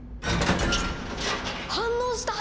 反応した！